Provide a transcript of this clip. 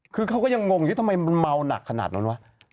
คือเขาก็ยังงงอยู่ทำไมมันเมาหนักขนาดนั้นวะ